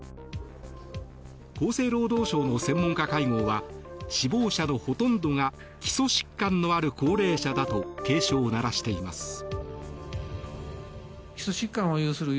厚生労働省の専門家会合は死亡者のほとんどが基礎疾患のある高齢者だと警鐘を鳴らしています。